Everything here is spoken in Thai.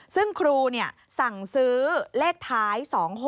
ซึ่งครูสั่งซื้อเลขท้าย๒๖๖